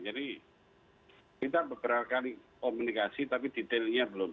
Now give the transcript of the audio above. jadi kita beberapa kali komunikasi tapi detailnya belum